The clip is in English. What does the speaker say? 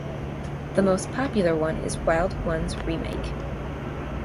The most popular one is "Wild Ones Remake".